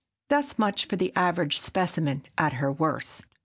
Thus much for the average specimen at her worst.